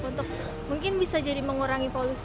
untuk mungkin bisa jadi mengurangi polusi